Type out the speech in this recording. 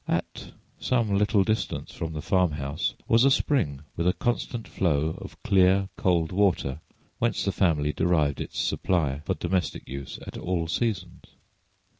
At some little distance from the farmhouse was a spring with a constant flow of clear, cold water, whence the family derived its supply for domestic use at all seasons.